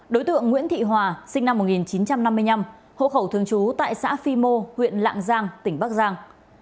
đối tượng nguyễn thị hòa sinh năm một nghìn chín trăm năm mươi năm hộ khẩu thường trú tại xã phi mô huyện lạng giang tỉnh bắc giang